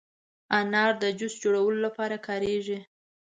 انار د جوس جوړولو لپاره کارېږي.